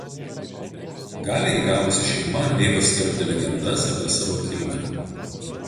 Galią įgavusi šeima mėgo skelbti legendas apie savo kilmę.